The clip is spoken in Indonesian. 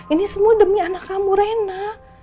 ini semua demi anak kamu rena